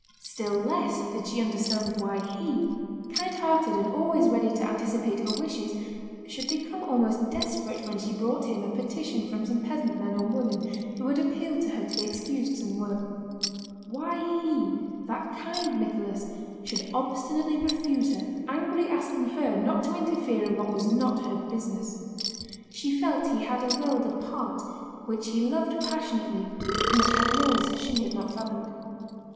Still less did she understand why he, kindhearted and always ready to anticipate her wishes, should become almost desperate when she brought him a petition from some peasant men or women who had appealed to her to be excused some work; why he, that kind Nicholas, should obstinately refuse her, angrily asking her not to interfere in what was not her business. She felt he had a world apart, which he loved passionately and which had laws she had not fathomed.